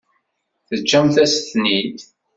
Teǧǧamt-as-ten-id.